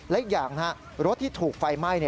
และอีกอย่างรถที่ถูกไฟไหม้